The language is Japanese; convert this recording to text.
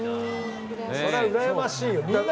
そりゃうらやましいよ。